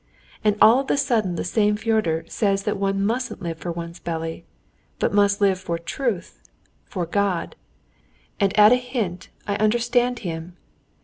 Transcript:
And all of a sudden the same Fyodor says that one mustn't live for one's belly, but must live for truth, for God, and at a hint I understand him!